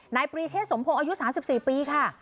นายปรีเชศสมโพงอายุสามสิบสี่ปีค่ะ